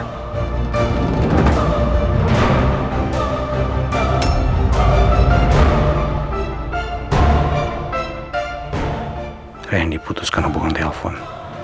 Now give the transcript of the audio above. saya yang diputuskan ngebongong telepon